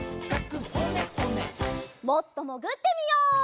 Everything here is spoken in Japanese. もっともぐってみよう。